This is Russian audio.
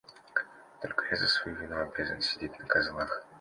Только я за свою вину обязан сидеть на козлах.